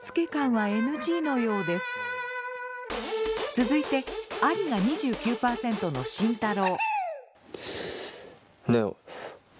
続いてアリが２９％の慎太郎。